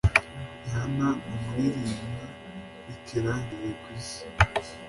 Rihana numuririmyi wikirangirire kwisi